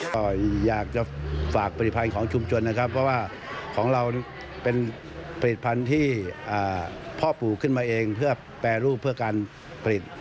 ก็อยากจะฝากผลิตภัณฑ์ของชุมชนนะครับเพราะว่าของเราเป็นผลิตภัณฑ์ที่พ่อปลูกขึ้นมาเองเพื่อแปรรูปเพื่อการผลิต